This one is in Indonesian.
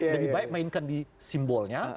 lebih baik mainkan di simbolnya